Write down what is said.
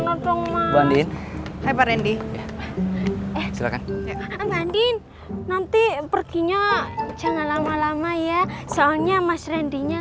sampai jumpa di video selanjutnya